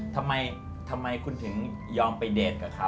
ทำไมคุณถึงยอมไปเดทกับเขา